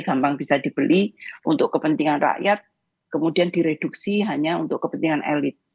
gampang bisa dibeli untuk kepentingan rakyat kemudian direduksi hanya untuk kepentingan elit